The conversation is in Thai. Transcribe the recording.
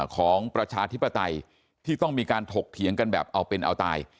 ประชาธิปไตยที่ต้องมีการถกเถียงกันแบบเอาเป็นเอาตาย